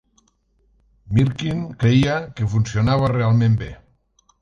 Mirkin creia que "funcionava realment bé".